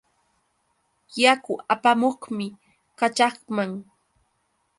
Yaku apamuqmi kaćhaqman.